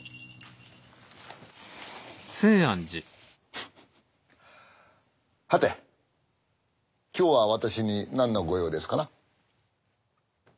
フッはて今日は私に何の御用ですかな？